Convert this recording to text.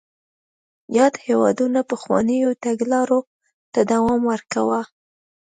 یادو هېوادونو پخوانیو تګلارو ته دوام ورکاوه.